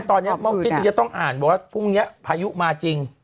ตอนนี้มองคิดจะต้องอ่านว่าพรุ่งนี้ภายุมาจริง